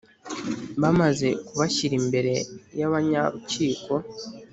Bamaze kubashyira imbere y abanyarukiko